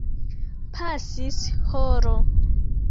Pasis horo.